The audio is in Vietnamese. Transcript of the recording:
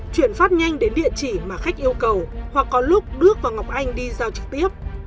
chuyển phát nhanh đến địa chỉ mà khách yêu cầu hoặc có lúc đước và ngọc anh đi giao trực tiếp